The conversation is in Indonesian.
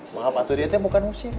maaf atur dia teh bukan usir